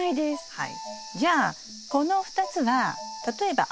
はい。